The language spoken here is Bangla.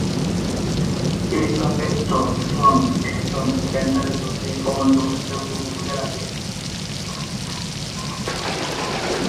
স্তনবৃন্ত-চোষণ স্তন ক্যান্সারের ঝুঁকি কমাতে উল্লেখযোগ্য ভূমিকা রাখে।